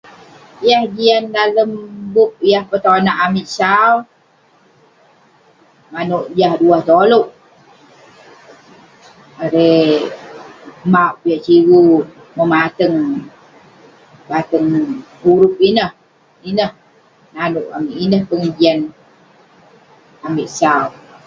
Yah jian dalem bup yah petonak amik sau, manouk jah duah tolouk. Erei-- mauk piak sigu memateng neh, bateng urup ineh. Ineh nanouk amik, ineh pengejian amik sau.